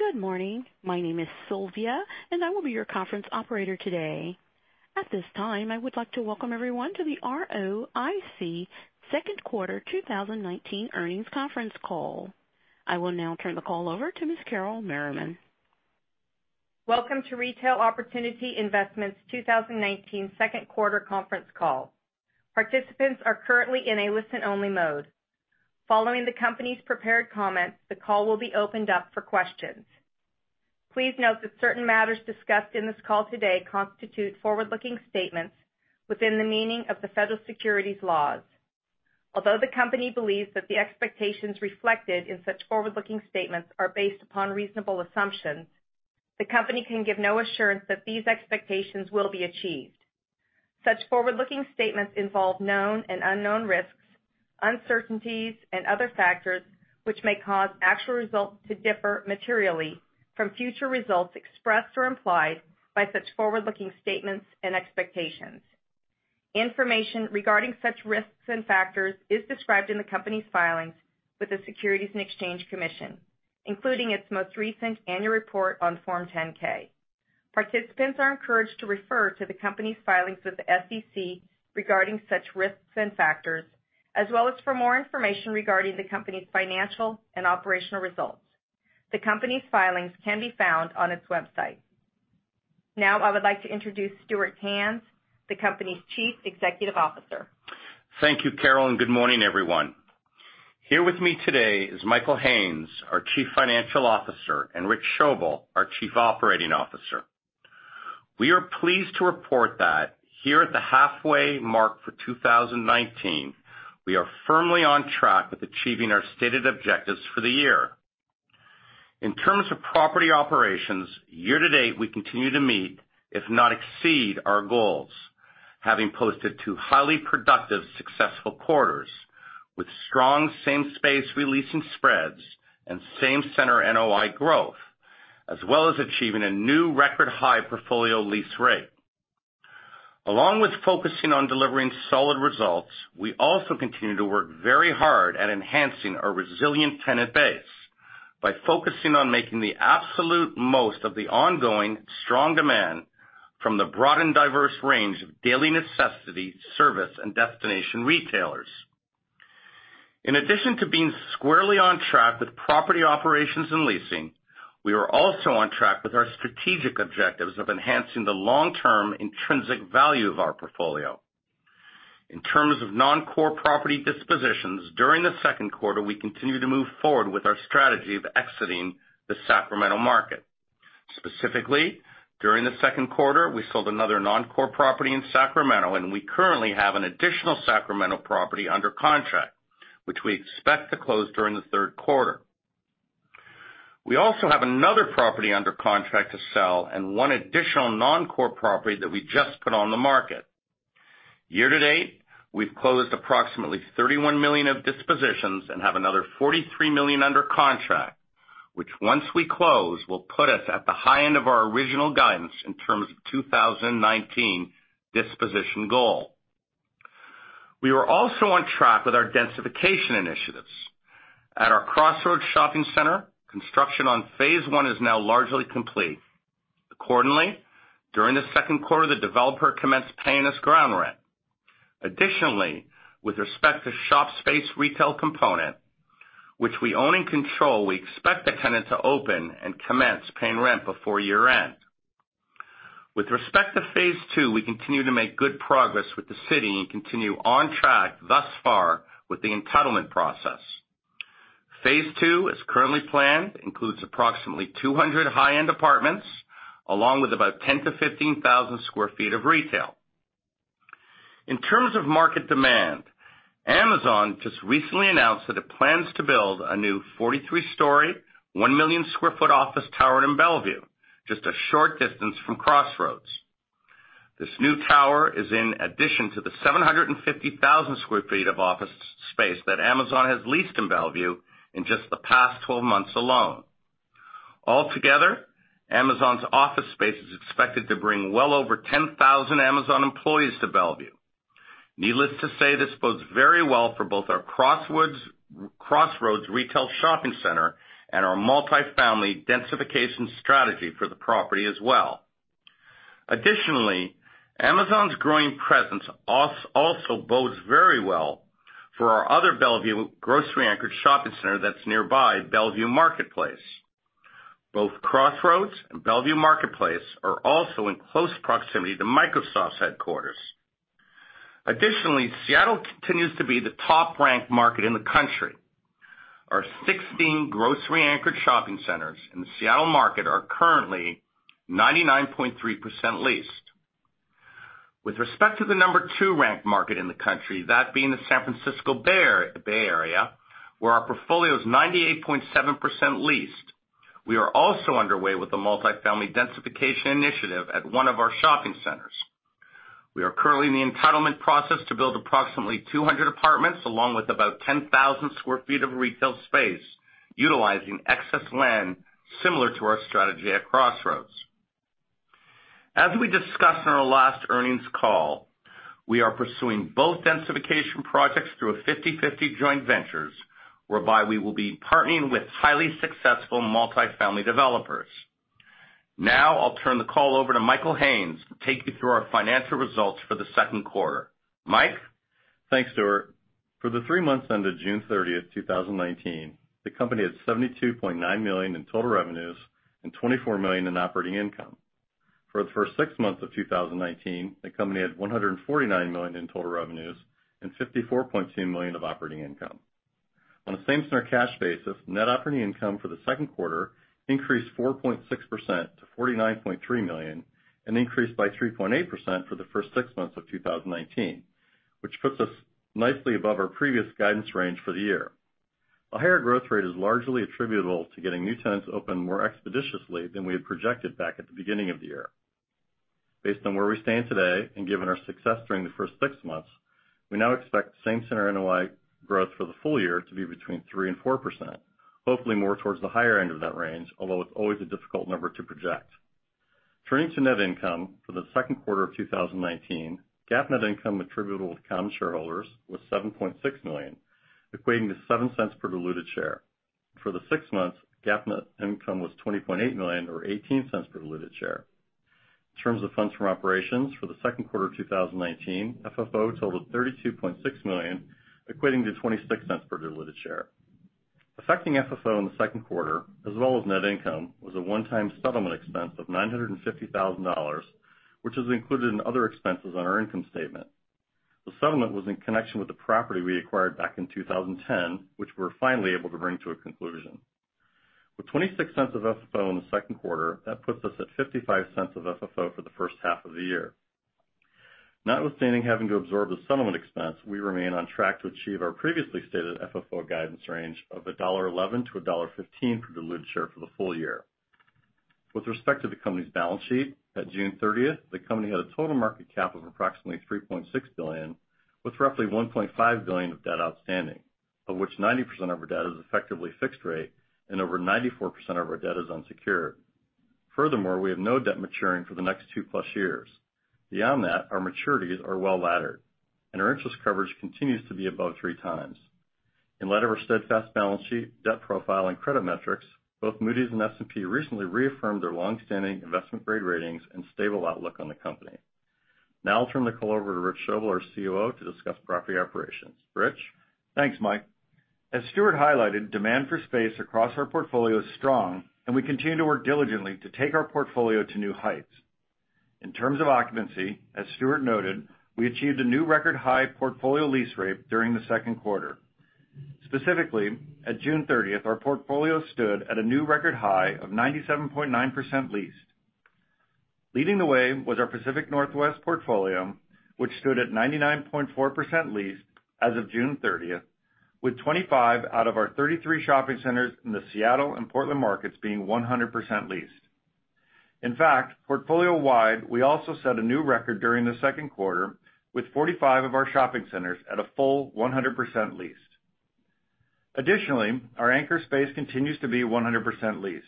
Good morning. My name is Sylvia. I will be your conference operator today. At this time, I would like to welcome everyone to the ROIC second quarter 2019 earnings conference call. I will now turn the call over to Ms. Carol Merriman. Welcome to Retail Opportunity Investments 2019 second quarter conference call. Participants are currently in a listen-only mode. Following the company's prepared comments, the call will be opened up for questions. Please note that certain matters discussed in this call today constitute forward-looking statements within the meaning of the federal securities laws. The company believes that the expectations reflected in such forward-looking statements are based upon reasonable assumptions, the company can give no assurance that these expectations will be achieved. Such forward-looking statements involve known and unknown risks, uncertainties, and other factors which may cause actual results to differ materially from future results expressed or implied by such forward-looking statements and expectations. Information regarding such risks and factors is described in the company's filings with the Securities and Exchange Commission, including its most recent annual report on Form 10-K. Participants are encouraged to refer to the company's filings with the SEC regarding such risks and factors, as well as for more information regarding the company's financial and operational results. The company's filings can be found on its website. Now, I would like to introduce Stuart Tanz, the company's Chief Executive Officer. Thank you, Carol, and good morning, everyone. Here with me today is Michael Haines, our Chief Financial Officer, and Rick Schoebel, our Chief Operating Officer. We are pleased to report that here at the halfway mark for 2019, we are firmly on track with achieving our stated objectives for the year. In terms of property operations, year to date, we continue to meet, if not exceed, our goals, having posted two highly productive, successful quarters with strong same space re-leasing spreads and same center NOI growth, as well as achieving a new record-high portfolio lease rate. Along with focusing on delivering solid results, we also continue to work very hard at enhancing our resilient tenant base by focusing on making the absolute most of the ongoing strong demand from the broad and diverse range of daily necessities, service, and destination retailers. In addition to being squarely on track with property operations and leasing, we are also on track with our strategic objectives of enhancing the long-term intrinsic value of our portfolio. In terms of non-core property dispositions, during the second quarter, we continued to move forward with our strategy of exiting the Sacramento market. Specifically, during the second quarter, we sold another non-core property in Sacramento, and we currently have an additional Sacramento property under contract, which we expect to close during the third quarter. We also have another property under contract to sell and one additional non-core property that we just put on the market. Year to date, we've closed approximately $31 million of dispositions and have another $43 million under contract, which once we close, will put us at the high end of our original guidance in terms of 2019 disposition goal. We are also on track with our densification initiatives. At our Crossroads shopping center, construction on phase 1 is now largely complete. Accordingly, during the second quarter, the developer commenced paying us ground rent. Additionally, with respect to shop space retail component, which we own and control, we expect the tenant to open and commence paying rent before year-end. With respect to phase 2, we continue to make good progress with the city and continue on track thus far with the entitlement process. Phase 2, as currently planned, includes approximately 200 high-end apartments, along with about 10,000-15,000 sq ft of retail. In terms of market demand, Amazon just recently announced that it plans to build a new 43-story, 1 million sq ft office tower in Bellevue, just a short distance from Crossroads. This new tower is in addition to the 750,000 square feet of office space that Amazon has leased in Bellevue in just the past 12 months alone. Altogether, Amazon's office space is expected to bring well over 10,000 Amazon employees to Bellevue. Needless to say, this bodes very well for both our Crossroads retail shopping center and our multifamily densification strategy for the property as well. Additionally, Amazon's growing presence also bodes very well for our other Bellevue grocery-anchored shopping center that's nearby Bellevue Marketplace. Both Crossroads and Bellevue Marketplace are also in close proximity to Microsoft's headquarters. Additionally, Seattle continues to be the top-ranked market in the country. Our 16 grocery-anchored shopping centers in the Seattle market are currently 99.3% leased. With respect to the number two ranked market in the country, that being the San Francisco Bay Area, where our portfolio is 98.7% leased. We are also underway with the multifamily densification initiative at one of our shopping centers. We are currently in the entitlement process to build approximately 200 apartments, along with about 10,000 sq ft of retail space utilizing excess land similar to our strategy at Crossroads. As we discussed in our last earnings call, we are pursuing both densification projects through a 50/50 joint ventures, whereby we will be partnering with highly successful multifamily developers. Now I'll turn the call over to Michael Haines to take you through our financial results for the second quarter. Mike? Thanks, Stuart. For the three months ended June 30, 2019, the company had $72.9 million in total revenues and $24 million in operating income. For the first six months of 2019, the company had $149 million in total revenues and $54.2 million of operating income. On a same center cash basis, net operating income for the second quarter increased 4.6% to $49.3 million and increased by 3.8% for the first six months of 2019, which puts us nicely above our previous guidance range for the year. A higher growth rate is largely attributable to getting new tenants open more expeditiously than we had projected back at the beginning of the year. Based on where we stand today and given our success during the first six months, we now expect same center NOI growth for the full year to be between 3% and 4%, hopefully more towards the higher end of that range, although it's always a difficult number to project. Turning to net income for the second quarter of 2019, GAAP net income attributable to common shareholders was $7.6 million, equating to $0.07 per diluted share. For the six months, GAAP net income was $20.8 million or $0.18 per diluted share. In terms of funds from operations for the second quarter 2019, FFO totaled $32.6 million, equating to $0.26 per diluted share. Affecting FFO in the second quarter as well as net income was a one-time settlement expense of $950,000, which is included in other expenses on our income statement. The settlement was in connection with the property we acquired back in 2010, which we're finally able to bring to a conclusion. With $0.26 of FFO in the second quarter, that puts us at $0.55 of FFO for the first half of the year. Notwithstanding having to absorb the settlement expense, we remain on track to achieve our previously stated FFO guidance range of $1.11-$1.15 per diluted share for the full year. With respect to the company's balance sheet, at June 30th, the company had a total market cap of approximately $3.6 billion, with roughly $1.5 billion of debt outstanding, of which 90% of our debt is effectively fixed rate and over 94% of our debt is unsecured. Furthermore, we have no debt maturing for the next two plus years. Beyond that, our maturities are well-laddered, and our interest coverage continues to be above three times. In light of our steadfast balance sheet, debt profile, and credit metrics, both Moody's and S&P recently reaffirmed their longstanding investment grade ratings and stable outlook on the company. I'll turn the call over to Rich Schoebel, our COO, to discuss property operations. Rich? Thanks, Mike. As Stuart highlighted, demand for space across our portfolio is strong, and we continue to work diligently to take our portfolio to new heights. In terms of occupancy, as Stuart noted, we achieved a new record high portfolio lease rate during the second quarter. Specifically, at June 30th, our portfolio stood at a new record high of 97.9% leased. Leading the way was our Pacific Northwest portfolio, which stood at 99.4% leased as of June 30th, with 25 out of our 33 shopping centers in the Seattle and Portland markets being 100% leased. In fact, portfolio-wide, we also set a new record during the second quarter with 45 of our shopping centers at a full 100% leased. Additionally, our anchor space continues to be 100% leased.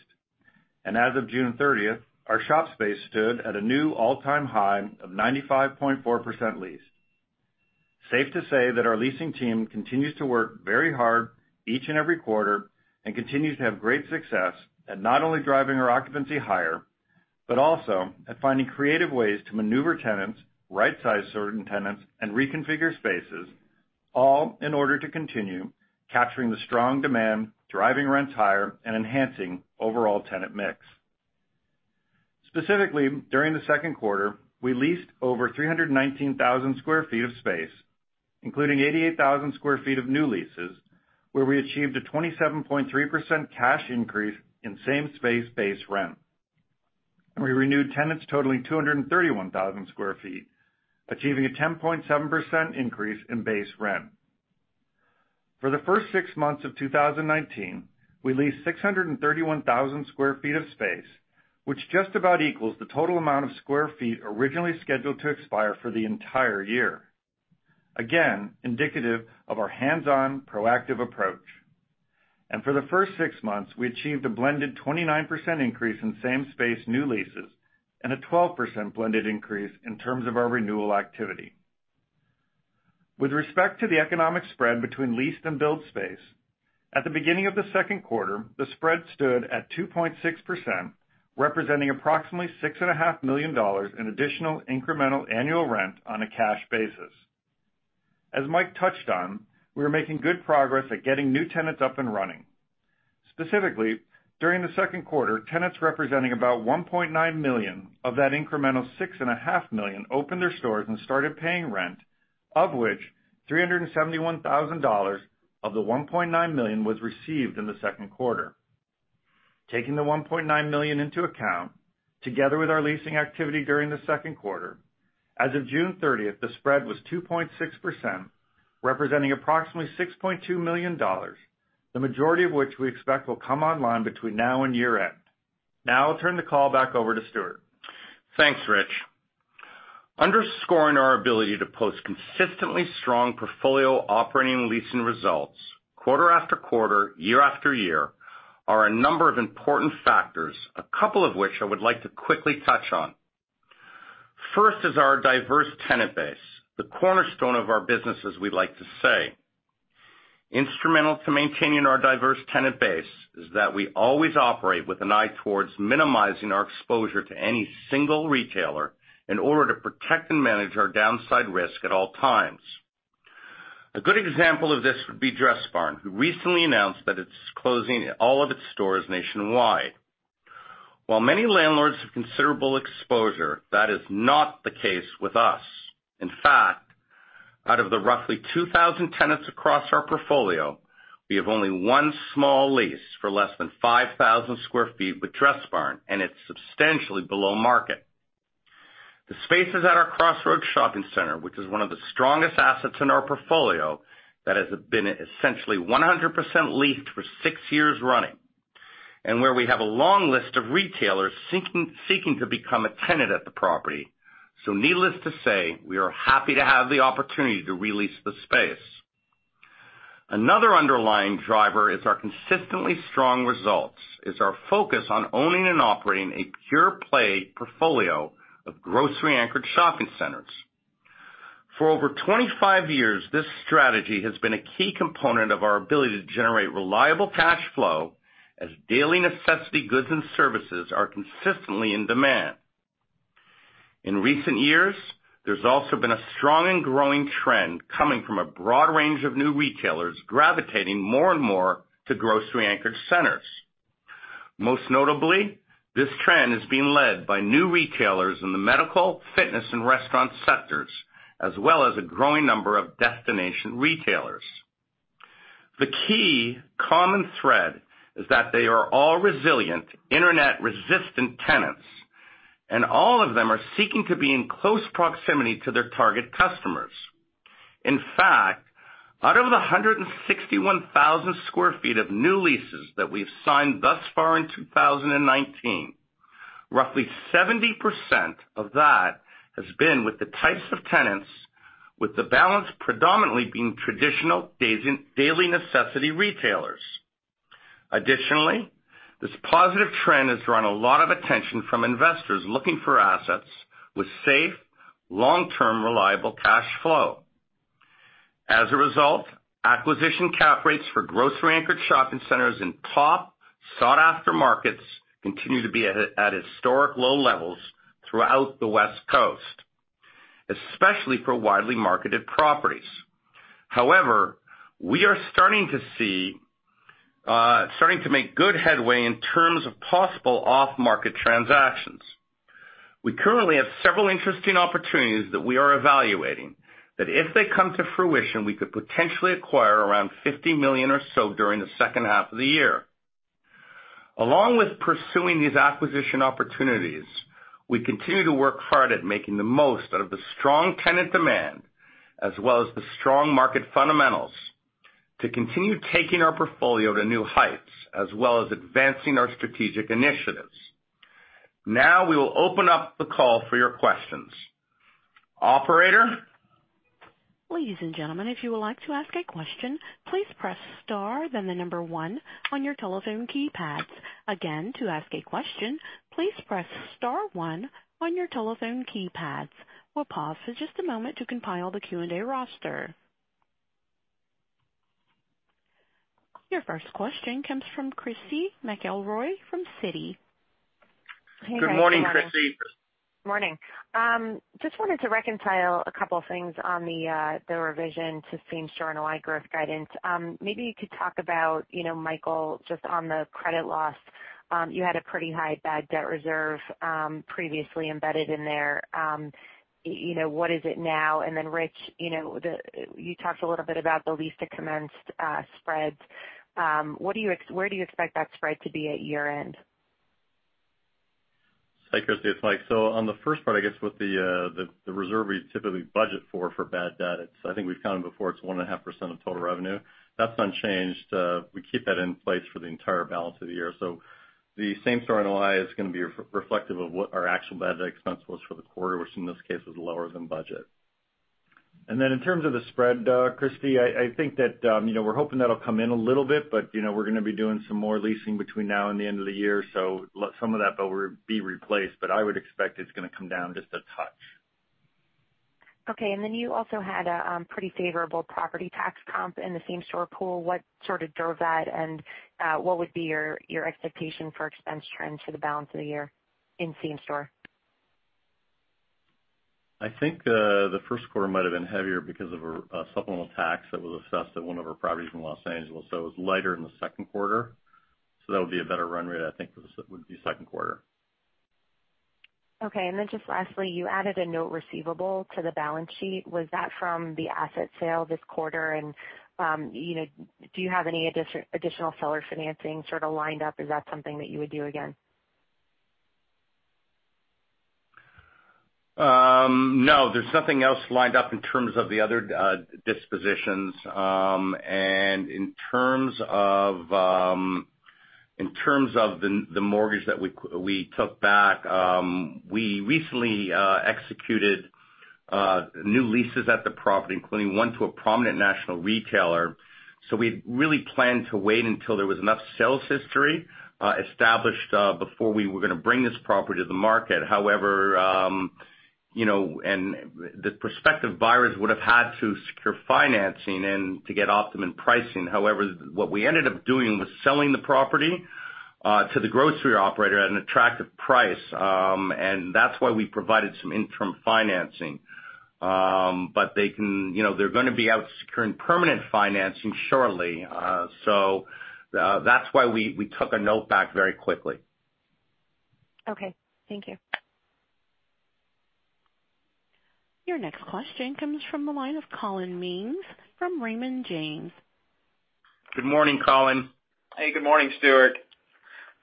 As of June 30th, our shop space stood at a new all-time high of 95.4% leased. Safe to say that our leasing team continues to work very hard each and every quarter and continues to have great success at not only driving our occupancy higher, but also at finding creative ways to maneuver tenants, right-size certain tenants, and reconfigure spaces, all in order to continue capturing the strong demand, driving rents higher, and enhancing overall tenant mix. Specifically, during the second quarter, we leased over 319,000 square feet of space, including 88,000 square feet of new leases, where we achieved a 27.3% cash increase in same space base rent. We renewed tenants totaling 231,000 square feet, achieving a 10.7% increase in base rent. For the first six months of 2019, we leased 631,000 square feet of space, which just about equals the total amount of square feet originally scheduled to expire for the entire year. Again, indicative of our hands-on proactive approach. For the first six months, we achieved a blended 29% increase in same space new leases and a 12% blended increase in terms of our renewal activity. With respect to the economic spread between leased and built space, at the beginning of the second quarter, the spread stood at 2.6%, representing approximately $6.5 million in additional incremental annual rent on a cash basis. As Mike touched on, we are making good progress at getting new tenants up and running. Specifically, during the second quarter, tenants representing about $1.9 million of that incremental $6.5 million opened their stores and started paying rent, of which $371,000 of the $1.9 million was received in the second quarter. Taking the $1.9 million into account, together with our leasing activity during the second quarter, as of June 30th, the spread was 2.6%, representing approximately $6.2 million, the majority of which we expect will come online between now and year-end. Now I'll turn the call back over to Stuart. Thanks, Rick. Underscoring our ability to post consistently strong portfolio operating leasing results quarter after quarter, year after year, are a number of important factors, a couple of which I would like to quickly touch on. First is our diverse tenant base, the cornerstone of our business, as we like to say. Instrumental to maintaining our diverse tenant base is that we always operate with an eye towards minimizing our exposure to any single retailer in order to protect and manage our downside risk at all times. A good example of this would be Dressbarn, who recently announced that it's closing all of its stores nationwide. Many landlords have considerable exposure, that is not the case with us. In fact, out of the roughly 2,000 tenants across our portfolio, we have only one small lease for less than 5,000 square feet with Dressbarn, and it's substantially below market. The space is at our Crossroads Shopping Center, which is one of the strongest assets in our portfolio that has been essentially 100% leased for six years running, and where we have a long list of retailers seeking to become a tenant at the property. Needless to say, we are happy to have the opportunity to re-lease the space. Another underlying driver is our consistently strong results, is our focus on owning and operating a pure play portfolio of grocery-anchored shopping centers. For over 25 years, this strategy has been a key component of our ability to generate reliable cash flow as daily necessity goods and services are consistently in demand. In recent years, there's also been a strong and growing trend coming from a broad range of new retailers gravitating more and more to grocery-anchored centers. Most notably, this trend is being led by new retailers in the medical, fitness, and restaurant sectors, as well as a growing number of destination retailers. The key common thread is that they are all resilient, internet-resistant tenants, and all of them are seeking to be in close proximity to their target customers. In fact, out of the 161,000 square feet of new leases that we've signed thus far in 2019, roughly 70% of that has been with the types of tenants, with the balance predominantly being traditional daily necessity retailers. Additionally, this positive trend has drawn a lot of attention from investors looking for assets with safe, long-term, reliable cash flow. As a result, acquisition cap rates for grocery-anchored shopping centers in top sought-after markets continue to be at historic low levels throughout the West Coast, especially for widely marketed properties. We are starting to make good headway in terms of possible off-market transactions. We currently have several interesting opportunities that we are evaluating, that if they come to fruition, we could potentially acquire around $50 million or so during the second half of the year. Along with pursuing these acquisition opportunities, we continue to work hard at making the most out of the strong tenant demand as well as the strong market fundamentals to continue taking our portfolio to new heights as well as advancing our strategic initiatives. We will open up the call for your questions. Operator? Ladies and gentlemen, if you would like to ask a question, please press star then the number one on your telephone keypads. Again, to ask a question, please press star one on your telephone keypads. We'll pause for just a moment to compile the Q&A roster. Your first question comes from Christy McElroy from Citi. Good morning, Christy. Good morning. Just wanted to reconcile a couple things on the revision to same-store NOI growth guidance. Maybe you could talk about, Michael, just on the credit loss. You had a pretty high bad debt reserve previously embedded in there. What is it now? Then Rick, you talked a little bit about the lease to commenced spreads. Where do you expect that spread to be at year-end? Hi, Christy. It's Mike. On the first part, I guess with the reserve we typically budget for bad debt, I think we've found before it's 1.5% of total revenue. That's unchanged. We keep that in place for the entire balance of the year. The same-store NOI is going to be reflective of what our actual bad debt expense was for the quarter, which in this case was lower than budget. In terms of the spread, Christy, I think that we're hoping that'll come in a little bit, but we're going to be doing some more leasing between now and the end of the year. Some of that will be replaced, but I would expect it's going to come down just a touch. Okay. You also had a pretty favorable property tax comp in the same store pool. What sort of drove that, and what would be your expectation for expense trends for the balance of the year in same store? I think the first quarter might have been heavier because of a supplemental tax that was assessed at one of our properties in Los Angeles. It was lighter in the second quarter. That would be a better run rate, I think, would be second quarter. Okay, then just lastly, you added a note receivable to the balance sheet. Was that from the asset sale this quarter? Do you have any additional seller financing sort of lined up? Is that something that you would do again? No, there's nothing else lined up in terms of the other dispositions. In terms of the mortgage that we took back, we recently executed new leases at the property, including one to a prominent national retailer. We really planned to wait until there was enough sales history established before we were going to bring this property to the market. However, the prospective buyers would have had to secure financing and to get optimum pricing. However, what we ended up doing was selling the property to the grocery operator at an attractive price, and that's why we provided some interim financing. They're going to be out securing permanent financing shortly. That's why we took a note back very quickly. Okay. Thank you. Your next question comes from the line of Collin Mings from Raymond James. Good morning, Collin. Hey, good morning, Stuart.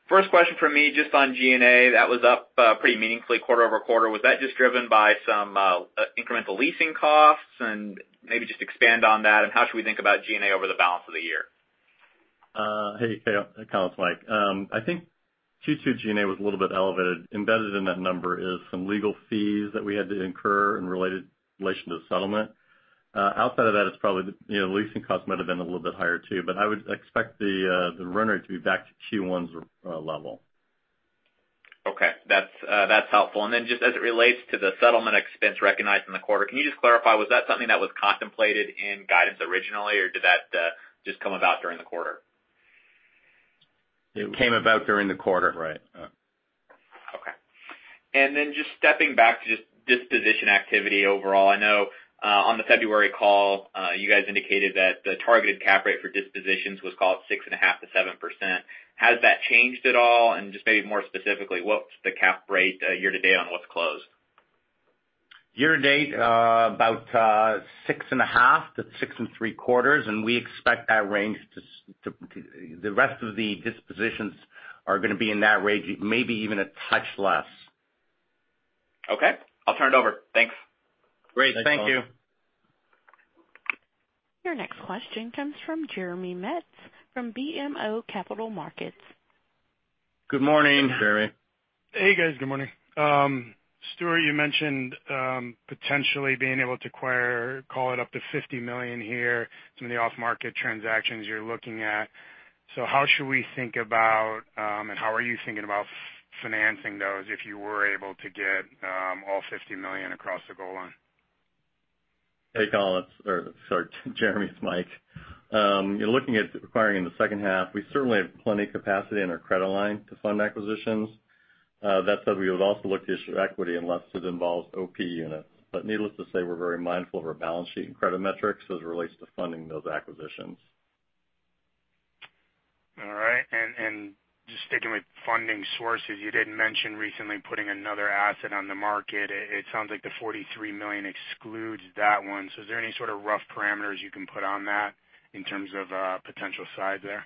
First question from me, just on G&A. That was up pretty meaningfully quarter-over-quarter. Was that just driven by some incremental leasing costs? Maybe just expand on that, and how should we think about G&A over the balance of the year? Hey, Collin. It's Michael. I think Q2 G&A was a little bit elevated. Embedded in that number is some legal fees that we had to incur in relation to the settlement. Outside of that, it's probably the leasing cost might have been a little bit higher, too, but I would expect the run rate to be back to Q1's level. Okay. That's helpful. Just as it relates to the settlement expense recognized in the quarter, can you just clarify, was that something that was contemplated in guidance originally, or did that just come about during the quarter? It came about during the quarter. Right. Yeah. Okay. Then just stepping back to just disposition activity overall. I know on the February call, you guys indicated that the targeted cap rate for dispositions was called 6.5%-7%. Has that changed at all? Just maybe more specifically, what's the cap rate year to date on what's closed? Year to date, about six and a half to six and three quarters, we expect that range the rest of the dispositions are going to be in that range, maybe even a touch less. Okay. I'll turn it over. Thanks. Great. Thank you. Your next question comes from Jeremy Metz, from BMO Capital Markets. Good morning, Jeremy. Hey, guys. Good morning. Stuart, you mentioned potentially being able to acquire, call it up to $50 million here, some of the off-market transactions you're looking at. How should we think about, and how are you thinking about financing those if you were able to get all $50 million across the goal line? Hey, Collin-- or sorry, Jeremy, it's Mike. In looking at acquiring in the second half, we certainly have plenty capacity in our credit line to fund acquisitions. That said, we would also look to issue equity unless it involves OP units. Needless to say, we're very mindful of our balance sheet and credit metrics as it relates to funding those acquisitions. All right. Just sticking with funding sources, you did mention recently putting another asset on the market. It sounds like the $43 million excludes that one. Is there any sort of rough parameters you can put on that in terms of potential size there?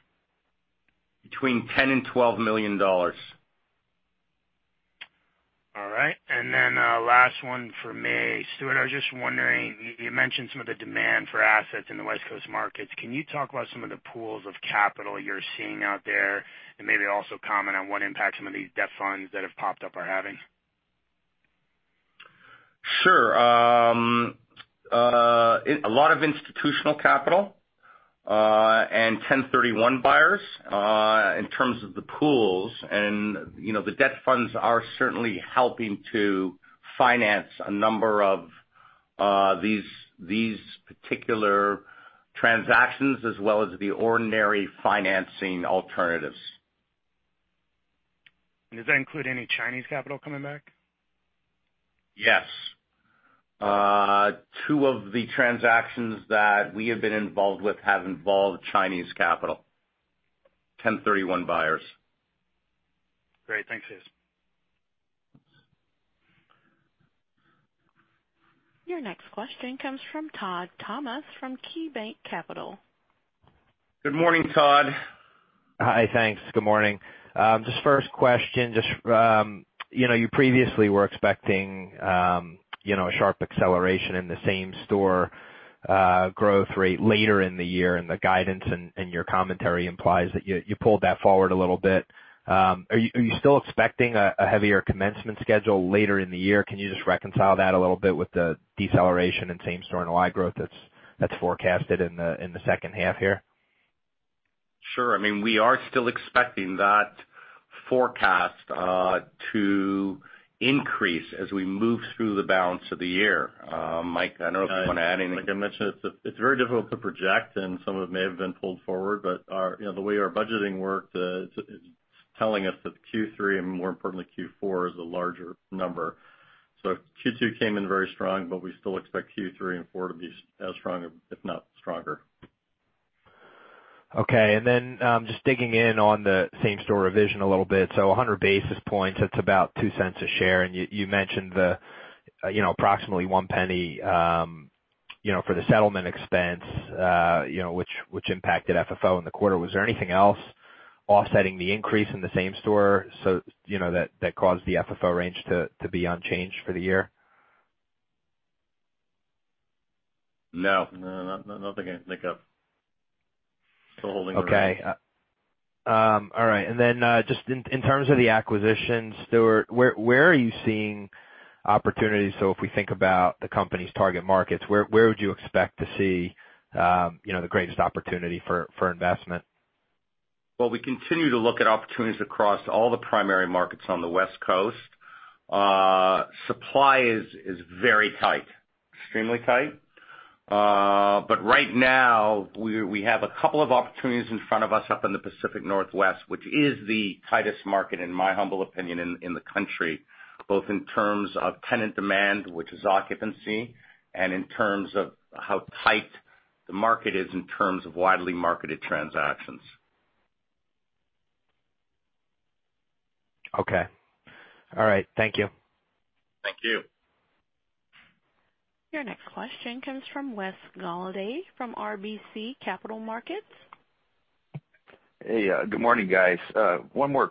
Between $10 and $12 million. All right. Last one for me. Stuart, I was just wondering, you mentioned some of the demand for assets in the West Coast markets. Can you talk about some of the pools of capital you're seeing out there, and maybe also comment on what impact some of these debt funds that have popped up are having? Sure. A lot of institutional capital, and 1031 buyers, in terms of the pools. The debt funds are certainly helping to finance a number of these particular transactions as well as the ordinary financing alternatives. Does that include any Chinese capital coming back? Yes. Two of the transactions that we have been involved with have involved Chinese capital, 1031 buyers. Great. Thanks, guys. Your next question comes from Todd Thomas from KeyBanc Capital. Good morning, Todd. Hi, thanks. Good morning. Just first question, you previously were expecting a sharp acceleration in the same store growth rate later in the year, and the guidance and your commentary implies that you pulled that forward a little bit. Are you still expecting a heavier commencement schedule later in the year? Can you just reconcile that a little bit with the deceleration in same store NOI growth that's forecasted in the second half here? Sure. I mean, we are still expecting that forecast to increase as we move through the balance of the year. Mike, I don't know if you want to add anything. Like I mentioned, it's very difficult to project, and some of it may have been pulled forward, but the way our budgeting worked, it's telling us that Q3 and more importantly, Q4 is a larger number. Q2 came in very strong, but we still expect Q3 and 4 to be as strong, if not stronger. Okay. Just digging in on the same-store revision a little bit. 100 basis points, that's about $0.02 a share. You mentioned the approximately $0.01 for the settlement expense which impacted FFO in the quarter. Was there anything else offsetting the increase in the same-store that caused the FFO range to be unchanged for the year? No. No. Not that I can think of. Still holding. Okay. All right. Then just in terms of the acquisition, Stuart, where are you seeing opportunities? If we think about the company's target markets, where would you expect to see the greatest opportunity for investment? Well, we continue to look at opportunities across all the primary markets on the West Coast. Supply is very tight, extremely tight. Right now, we have a couple of opportunities in front of us up in the Pacific Northwest, which is the tightest market, in my humble opinion, in the country, both in terms of tenant demand, which is occupancy, and in terms of how tight the market is in terms of widely marketed transactions. Okay. All right. Thank you. Thank you. Your next question comes from Wes Golladay from RBC Capital Markets. Hey, good morning, guys. One more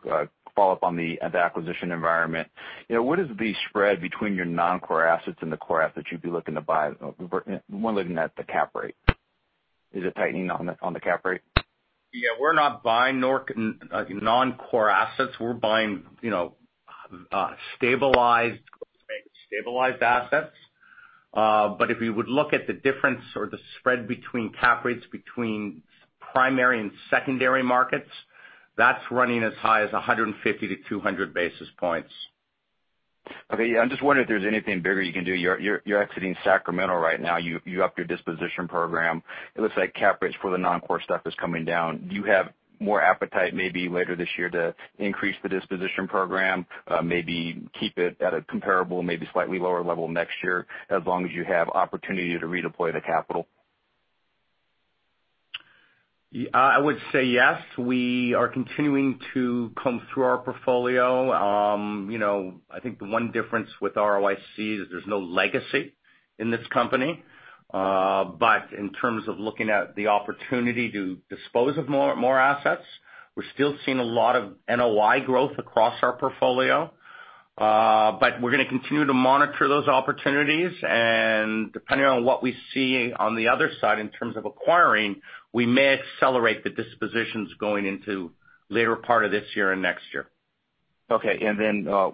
follow-up on the acquisition environment. What is the spread between your non-core assets and the core assets you'd be looking to buy, when looking at the cap rate? Is it tightening on the cap rate? Yeah. We're not buying non-core assets. We're buying stabilized assets. If you would look at the difference or the spread between cap rates between primary and secondary markets, that's running as high as 150-200 basis points. Okay. Yeah. I'm just wondering if there's anything bigger you can do. You're exiting Sacramento right now. You upped your disposition program. It looks like cap rates for the non-core stuff is coming down. Do you have more appetite maybe later this year to increase the disposition program? Maybe keep it at a comparable, maybe slightly lower level next year, as long as you have opportunity to redeploy the capital? I would say yes. We are continuing to comb through our portfolio. I think the one difference with ROIC is there's no legacy in this company. In terms of looking at the opportunity to dispose of more assets, we're still seeing a lot of NOI growth across our portfolio. We're going to continue to monitor those opportunities, and depending on what we see on the other side in terms of acquiring, we may accelerate the dispositions going into later part of this year and next year. Okay.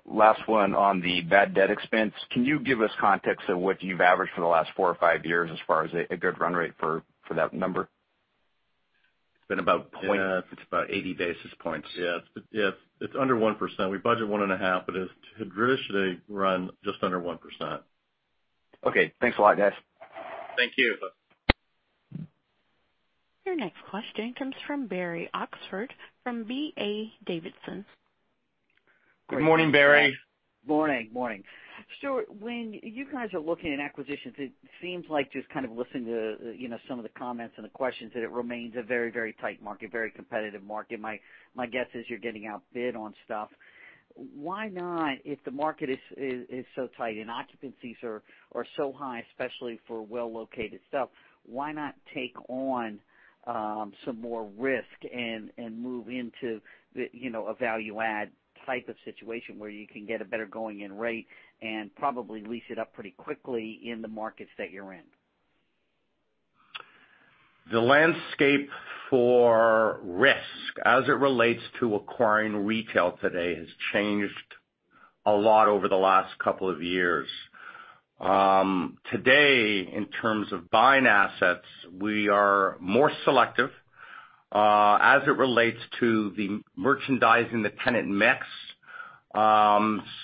Last one on the bad debt expense, can you give us context of what you've averaged for the last four or five years as far as a good run rate for that number? It's been about. It's about 80 basis points. Yeah. It's under 1%. We budget 1.5, but it traditionally run just under 1%. Okay. Thanks a lot, guys. Thank you. Your next question comes from Barry Oxford from D.A. Davidson. Good morning, Barry. Morning. Stuart, when you guys are looking at acquisitions, it seems like just kind of listening to some of the comments and the questions, that it remains a very tight market, very competitive market. My guess is you're getting outbid on stuff. Why not, if the market is so tight and occupancies are so high, especially for well-located stuff, why not take on some more risk and move into a value add type of situation where you can get a better going-in rate and probably lease it up pretty quickly in the markets that you're in? The landscape for risk as it relates to acquiring retail today has changed a lot over the last couple of years. Today, in terms of buying assets, we are more selective, as it relates to the merchandising the tenant mix.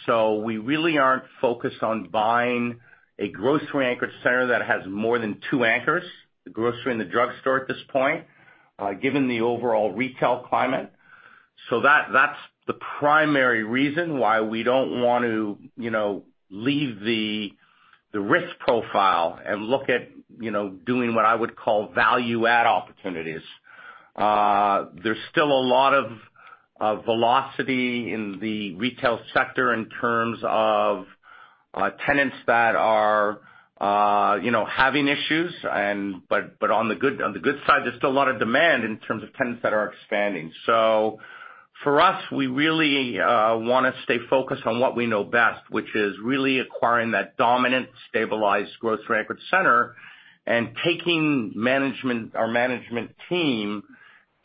We really aren't focused on buying a grocery anchored center that has more than two anchors, the grocery and the drugstore at this point, given the overall retail climate. That's the primary reason why we don't want to leave the risk profile and look at doing what I would call value add opportunities. There's still a lot of velocity in the retail sector in terms of tenants that are having issues. On the good side, there's still a lot of demand in terms of tenants that are expanding. For us, we really want to stay focused on what we know best, which is really acquiring that dominant, stabilized, grocery-anchored center and taking our management team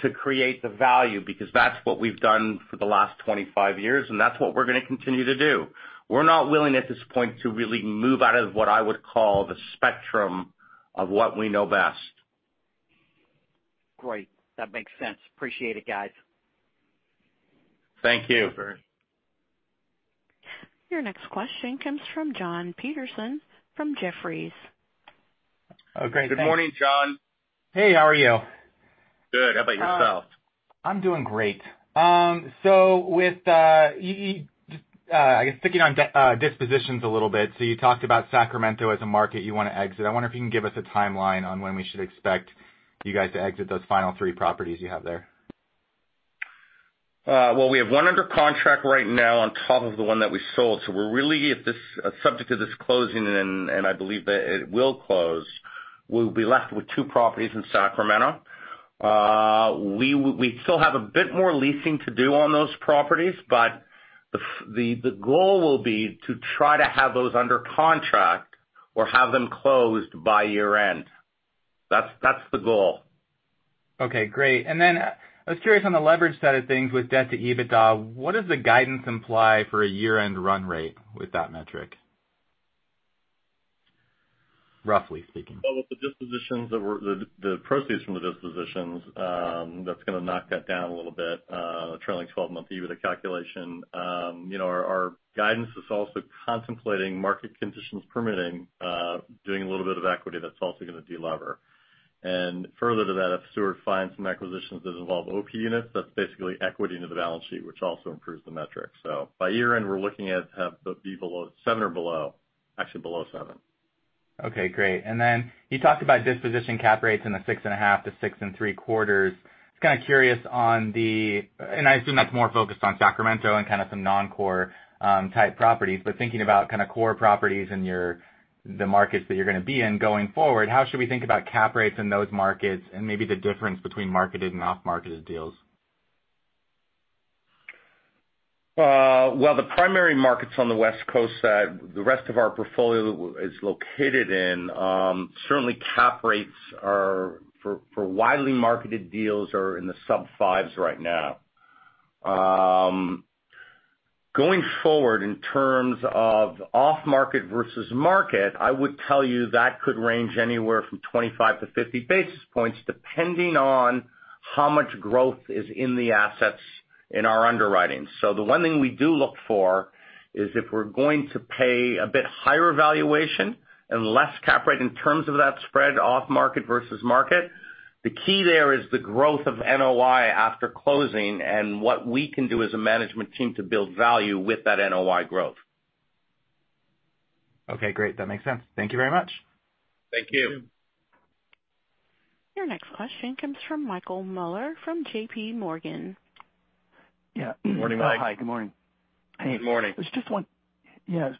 to create the value, because that's what we've done for the last 25 years, and that's what we're going to continue to do. We're not willing at this point to really move out of what I would call the spectrum of what we know best. Great. That makes sense. Appreciate it, guys. Thank you. Sure. Your next question comes from Jon Petersen from Jefferies. Oh, great. Thanks. Good morning, Jon. Hey. How are you? Good. How about yourself? I'm doing great. I guess sticking on dispositions a little bit. You talked about Sacramento as a market you want to exit. I wonder if you can give us a timeline on when we should expect you guys to exit those final three properties you have there. Well, we have one under contract right now on top of the one that we sold. We're really at this subject to this closing, and I believe that it will close. We'll be left with two properties in Sacramento. We still have a bit more leasing to do on those properties. The goal will be to try to have those under contract or have them closed by year-end. That's the goal. Okay, great. I was curious on the leverage side of things with debt to EBITDA, what does the guidance imply for a year-end run rate with that metric? Roughly speaking. Well, with the proceeds from the dispositions, that's going to knock that down a little bit, the trailing 12-month EBITDA calculation. Our guidance is also contemplating market conditions permitting, doing a little bit of equity that's also going to de-lever. Further to that, if Stuart finds some acquisitions that involve OP units, that's basically equity into the balance sheet, which also improves the metric. By year-end, we're looking at be below seven or below. Actually below seven. Okay, great. Then you talked about disposition cap rates in the six and a half to six and three quarters. I was kind of curious on the. I assume that's more focused on Sacramento and kind of some non-core type properties, but thinking about kind of core properties in the markets that you're going to be in going forward, how should we think about cap rates in those markets and maybe the difference between marketed and off-market deals? Well, the primary markets on the West Coast side, the rest of our portfolio is located in, certainly cap rates for widely marketed deals are in the sub fives right now. Going forward, in terms of off-market versus market, I would tell you that could range anywhere from 25 to 50 basis points, depending on how much growth is in the assets in our underwriting. The one thing we do look for is if we're going to pay a bit higher valuation and less cap rate in terms of that spread off-market versus market, the key there is the growth of NOI after closing and what we can do as a management team to build value with that NOI growth. Okay, great. That makes sense. Thank you very much. Thank you. Thank you. Your next question comes from Michael Mueller from JP Morgan. Yeah. Morning, Mike. Hi, good morning. Good morning. Yeah.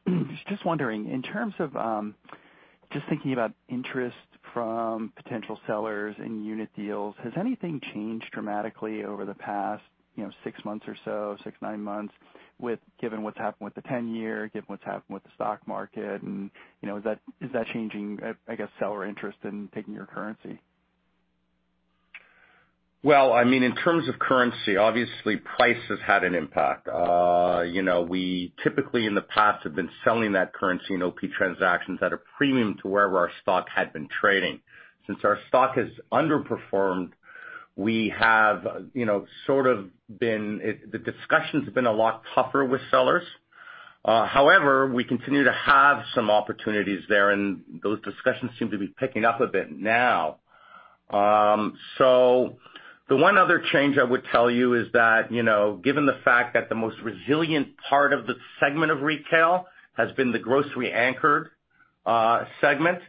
Just wondering, in terms of just thinking about interest from potential sellers in unit deals, has anything changed dramatically over the past six months or so, six, nine months, given what's happened with the 10 year, given what's happened with the stock market, Is that changing, I guess, seller interest in taking your currency? Well, in terms of currency, obviously price has had an impact. We typically, in the past, have been selling that currency in OP transactions at a premium to where our stock had been trading. Since our stock has underperformed, the discussions have been a lot tougher with sellers. However, we continue to have some opportunities there, and those discussions seem to be picking up a bit now. The one other change I would tell you is that, given the fact that the most resilient part of the segment of retail has been the grocery-anchored segment,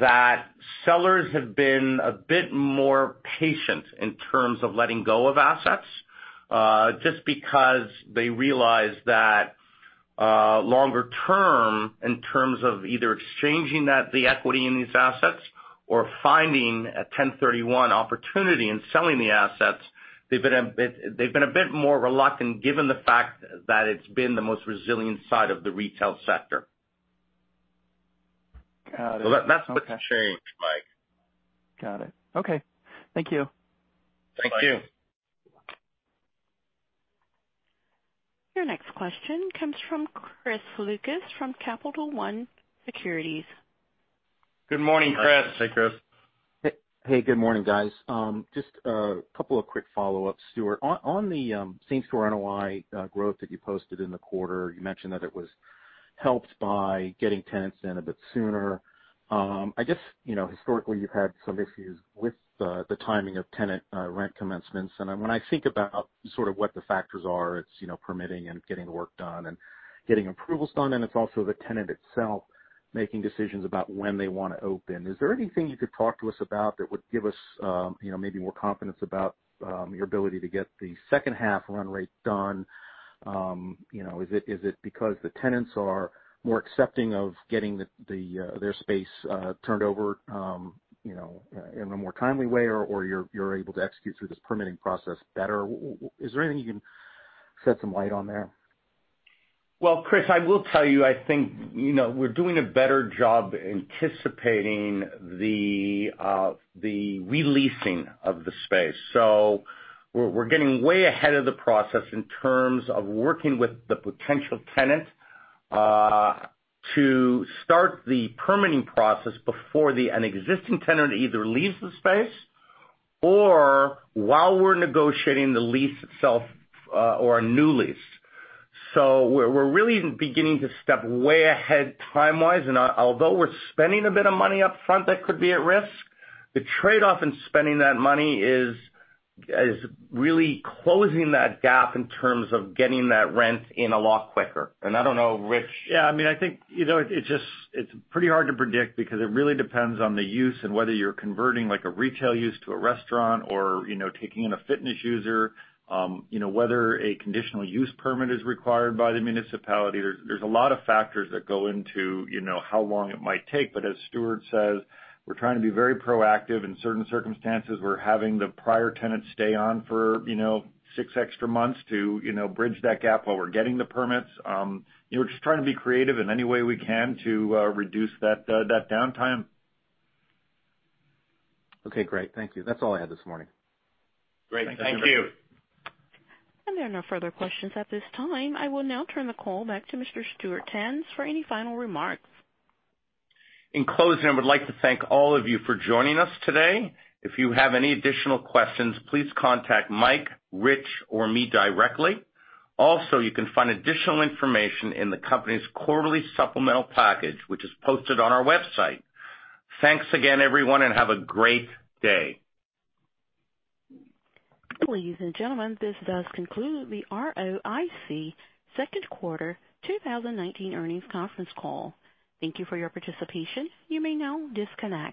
that sellers have been a bit more patient in terms of letting go of assets, just because they realize that longer term, in terms of either exchanging the equity in these assets or finding a 1031 opportunity and selling the assets, they've been a bit more reluctant given the fact that it's been the most resilient side of the retail sector. Got it. Okay. That's what's changed, Mike. Got it. Okay. Thank you. Thank you. Bye. Your next question comes from Chris Lucas from Capital One Securities. Good morning, Chris. Hey, Chris. Hey, good morning, guys. Just a couple of quick follow-ups, Stuart. On the same store NOI growth that you posted in the quarter, you mentioned that it was helped by getting tenants in a bit sooner. I guess historically, you've had some issues with the timing of tenant rent commencements, and when I think about sort of what the factors are, it's permitting and getting work done and getting approvals done, and it's also the tenant itself making decisions about when they want to open. Is there anything you could talk to us about that would give us maybe more confidence about your ability to get the second half run rate done? Is it because the tenants are more accepting of getting their space turned over in a more timely way or you're able to execute through this permitting process better? Is there anything you can shed some light on there? Chris, I will tell you, I think we're doing a better job anticipating the re-leasing of the space. We're getting way ahead of the process in terms of working with the potential tenant to start the permitting process before an existing tenant either leaves the space or while we're negotiating the lease itself or a new lease. We're really beginning to step way ahead time-wise, and although we're spending a bit of money up front that could be at risk, the trade-off in spending that money is really closing that gap in terms of getting that rent in a lot quicker. I don't know, Rick? Yeah. I think it's pretty hard to predict because it really depends on the use and whether you're converting a retail use to a restaurant or taking in a fitness user. Whether a conditional use permit is required by the municipality. There's a lot of factors that go into how long it might take. As Stuart says, we're trying to be very proactive. In certain circumstances, we're having the prior tenant stay on for six extra months to bridge that gap while we're getting the permits. We're just trying to be creative in any way we can to reduce that downtime. Okay, great. Thank you. That's all I had this morning. Great. Thank you. Thanks. There are no further questions at this time. I will now turn the call back to Mr. Stuart Tanz for any final remarks. In closing, I would like to thank all of you for joining us today. If you have any additional questions, please contact Mike, Rick, or me directly. You can find additional information in the company's quarterly supplemental package, which is posted on our website. Thanks again, everyone, and have a great day. Ladies and gentlemen, this does conclude the ROIC second quarter 2019 earnings conference call. Thank you for your participation. You may now disconnect.